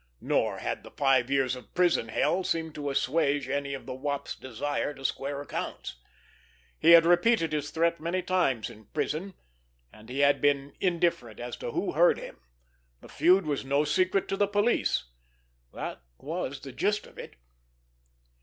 Nor had the five years of prison hell seemed to assuage any of the Wop's desire to square accounts! He had repeated his threat many times in prison, and he had been indifferent as to who heard him. The feud was no secret to the police. That was the gist of it.